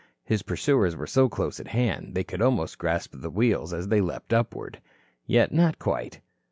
His pursuers were so close at hand they could almost grasp the wheels, as they leaped upward. Yet not quite.